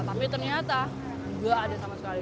tapi ternyata nggak ada sama sekali